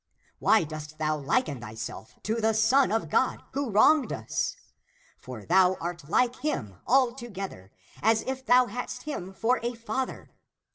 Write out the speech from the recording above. Why dost thou liken thyself to the Son of God, who wronged us? For thou art like him altogether, as if thou hadst him for a father.